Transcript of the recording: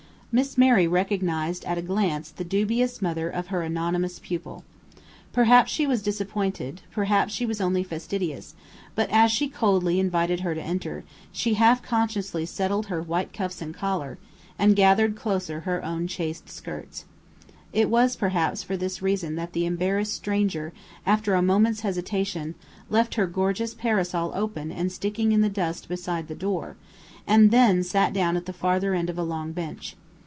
Miss Mary recognized at a glance the dubious mother of her anonymous pupil. Perhaps she was disappointed, perhaps she was only fastidious; but as she coldly invited her to enter, she half unconsciously settled her white cuffs and collar, and gathered closer her own chaste skirts. It was, perhaps, for this reason that the embarrassed stranger, after a moment's hesitation, left her gorgeous parasol open and sticking in the dust beside the door, and then sat down at the farther end of a long bench.